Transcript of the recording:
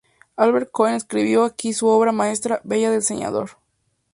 Albert Cohen escribió aquí su obra maestra, "Bella del Señor".